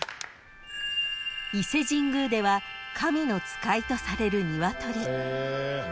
［伊勢神宮では神の使いとされるニワトリ］